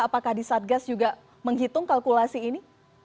apakah di satgas juga menghitung kalkulasi ini